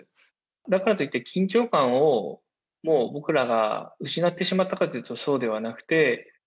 だからといって緊張感を、もう僕らが失ってしまったかというと、そうではなくて。